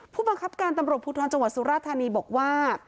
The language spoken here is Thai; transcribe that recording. ผู้บังคับการตำรวจภูทรจังหวัดสุราธานีบอกว่า